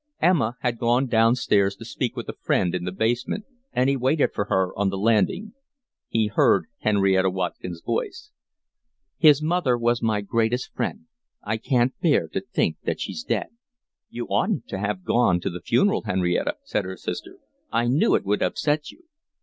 Emma had gone downstairs to speak with a friend in the basement, and he waited for her on the landing. He heard Henrietta Watkin's voice. "His mother was my greatest friend. I can't bear to think that she's dead." "You oughtn't to have gone to the funeral, Henrietta," said her sister. "I knew it would upset you."